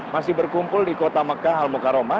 masih berkumpul di kota mekah almuka roma